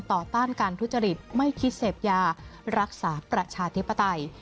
ต้านการทุจริตไม่คิดเสพยารักษาประชาธิปไตย